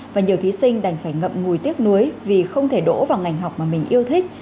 và nhiều thí sinh đành phải ngậm ngùi tiếc nuối vì không thể đổ vào ngành học mà mình yêu thích